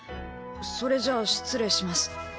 それじゃ失礼します。